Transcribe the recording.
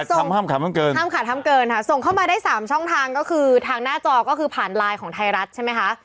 ๘คำห้ามขาดห้ามเกินส่งเข้ามาได้๓ช่องทางก็คือทางหน้าจอก็คือผ่านไลน์ของไทยรัฐใช่ไหมคะ